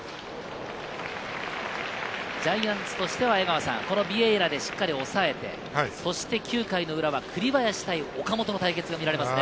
ジャイアンツとしてはこのビエイラでしっかり抑えて、そして９回の裏は栗林対岡本の対決が見られますね。